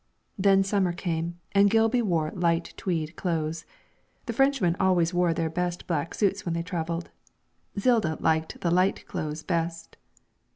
Then summer came and Gilby wore light tweed clothes. The Frenchmen always wore their best black suits when they travelled. Zilda liked the light clothes best.